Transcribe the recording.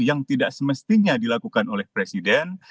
yang tidak semestinya dilakukan oleh presiden